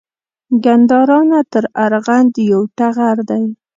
ګندارا نه تر ارغند یو ټغر دی